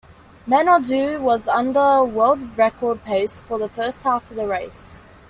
Manaudou was under world record pace for the first half of the race.